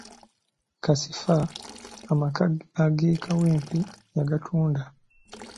Kasifa amaka ag'e Kawempe yagatunda.